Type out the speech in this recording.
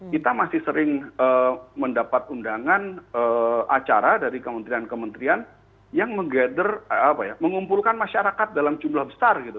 kita masih sering mendapat undangan acara dari kementerian kementerian yang mengumpulkan masyarakat dalam jumlah besar gitu